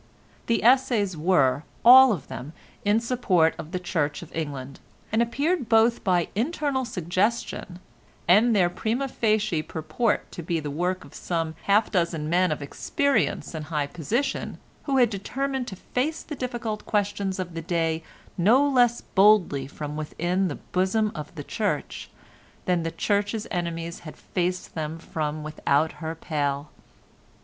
The essays were all of them in support of the Church of England, and appeared both by internal suggestion, and their prima facie purport to be the work of some half dozen men of experience and high position who had determined to face the difficult questions of the day no less boldly from within the bosom of the Church than the Church's enemies had faced them from without her pale.